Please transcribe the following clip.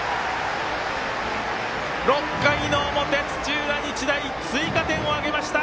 ６回の表、土浦日大追加点を挙げました！